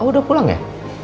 oh udah pulang ya